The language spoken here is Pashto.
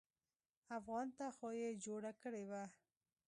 افغان ته خو يې جوړه کړې وه.